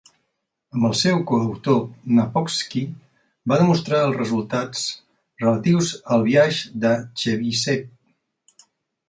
Amb el seu coautor Knapowski, va demostrar els resultats relatius al biaix de Txebyshev.